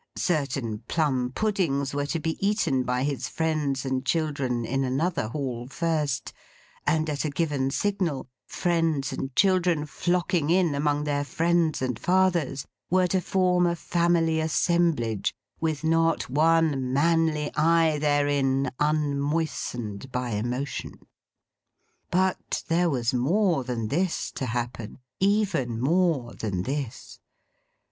Certain plum puddings were to be eaten by his Friends and Children in another Hall first; and, at a given signal, Friends and Children flocking in among their Friends and Fathers, were to form a family assemblage, with not one manly eye therein unmoistened by emotion. But, there was more than this to happen. Even more than this.